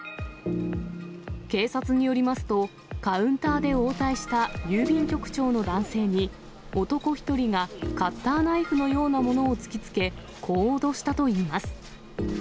警察によりますと、カウンターで応対した郵便局長の男性に、男１人がカッターナイフのようなものを突きつけ、こう脅したといいます。